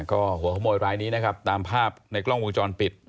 ก็หัวขโมยรายนี้นะครับตามภาพในกล้องวงจรปิด